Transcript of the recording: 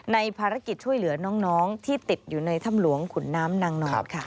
ในภารกิจช่วยเหลือน้องที่ติดอยู่ในถ้ำหลวงขุนน้ำนางนอนค่ะ